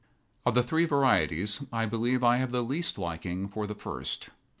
Of the three varieties, I believe I have the least liking for the first.